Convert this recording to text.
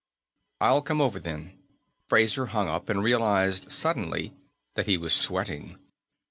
"I'll come over, then." Fraser hung up and realized, suddenly, that he was sweating.